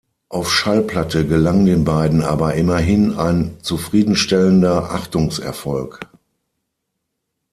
Auf Schallplatte gelang den beiden aber immerhin ein zufriedenstellender Achtungserfolg.